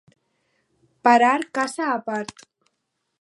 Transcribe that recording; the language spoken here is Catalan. Parar casa a part.